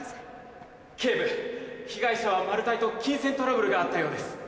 「警部被害者はマルタイと金銭トラブルがあったようです」。